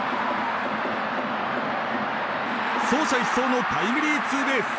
走者一掃のタイムリーツーベース。